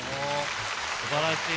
すばらしい。